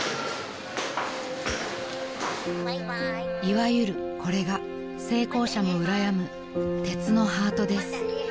［いわゆるこれが成功者もうらやむ鉄のハートです］